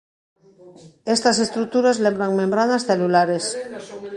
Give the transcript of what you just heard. Estas estruturas lembran membranas celulares.